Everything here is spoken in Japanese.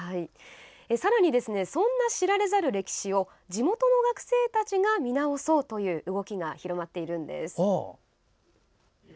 さらに、そんな知られざる歴史を地元の学生たちが見直そうという動きが広まっているんです。